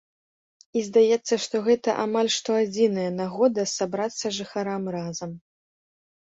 І здаецца, што гэта амаль што адзіная нагода сабрацца жыхарам разам.